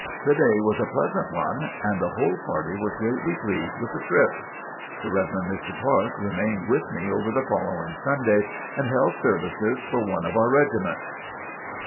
The day was a pleasant one and the whole party was greatly pleased with the trip. The Rev. Mr. Clark remained with me over the following Sunday and held services for one of our regiments.